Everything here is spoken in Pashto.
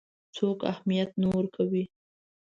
څوک اهمیت نه ورکوي.